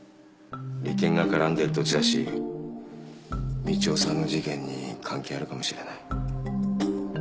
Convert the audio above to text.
利権が絡んでる土地だし道夫さんの事件に関係あるかもしれない。